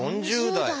４０代！